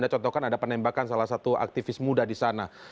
contohkan ada penembakan salah satu aktivis muda di sana